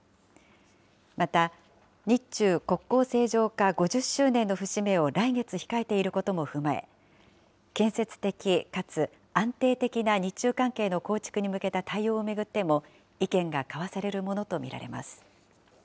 また、日中国交正常化５０周年の節目を来月控えていることも踏まえ、建設的かつ安定的な日中関係の構築に向けた対応を巡っても、意見